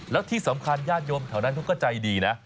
แล้วที่สำคัญญาติโยมแถวนั้นเขาก็ใจดีนะ